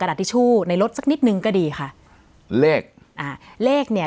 ดาทิชชู่ในรถสักนิดนึงก็ดีค่ะเลขอ่าเลขเนี้ย